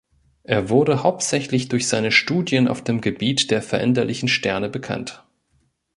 Er wurde hauptsächlich durch seine Studien auf dem Gebiet der veränderlichen Sterne bekannt.